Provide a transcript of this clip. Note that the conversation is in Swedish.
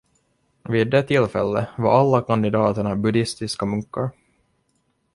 Vid det tillfället var alla kandidaterna buddhistiska munkar.